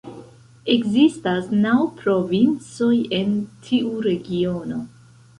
Ekzistas naŭ provincoj en tiu regiono.